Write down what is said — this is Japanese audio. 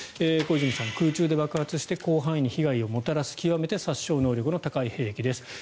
小泉さん、空中で爆発して広範囲に被害をもたらす極めて殺傷能力の高い兵器です。